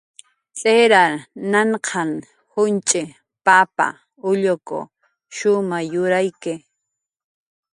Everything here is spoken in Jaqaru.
Tz'irar nanq'an junch'i, papa, ulluku shumay yurayki